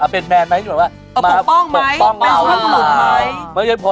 เป็นแมนไหมหมายถึงว่ามาปกป้องเรา